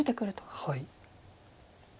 はい。